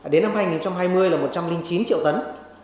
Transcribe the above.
đến năm hai nghìn hai mươi là một trăm linh chín triệu tấn